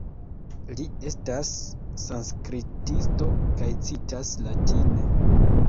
Li estas sanskritisto kaj citas latine.